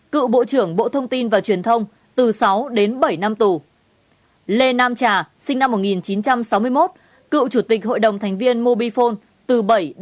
cựu bộ trưởng bộ thông tin và truyền thông từ sáu đến bảy năm tù